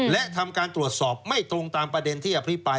และทำการตรวจสอบไม่ตรงตามประเด็นที่อภิปราย